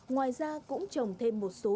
ngoài ra cũng trồng thêm một số